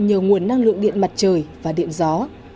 nhờ nguồn năng lượng điện mặt trời và điện gió